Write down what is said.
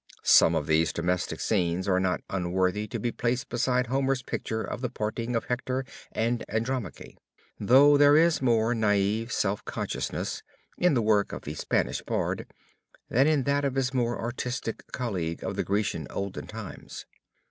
Some of these domestic scenes are not unworthy to be placed beside Homer's picture of the parting of Hector and Andromache, though there is more naive self consciousness in the work of the Spanish bard, than in that of his more artistic colleague of the Grecian olden times.